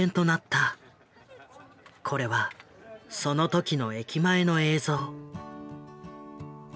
これはその時の駅前の映像。